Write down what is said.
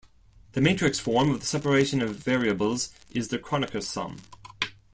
The matrix form of the separation of variables is the Kronecker sum.